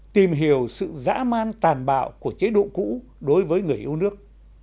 tìm hiểu sự dã man tàn bạo của chế độ cũ đối với người yêu nước